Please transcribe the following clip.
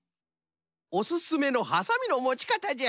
おすすめのはさみのもち方じゃ。